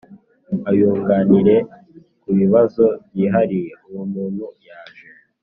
ayunganire ku bibazo byihariye uwo muntu yaje